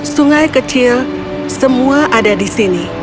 sungai kecil semua ada di sini